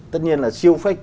tất nhiên là siêu fake